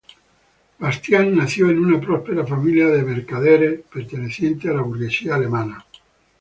Bastian nació en una próspera familia de mercaderes perteneciente a la burguesía alemana.